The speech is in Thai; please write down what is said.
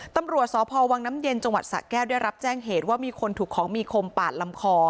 ตำรวจสพวังน้ำเย็นจังหวัดสะแก้วได้รับแจ้งเหตุว่ามีคนถูกของมีคมปาดลำคอ